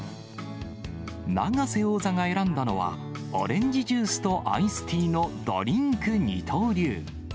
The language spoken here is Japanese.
永瀬王座が選んだのは、オレンジジュースとアイスティーのドリンク二刀流。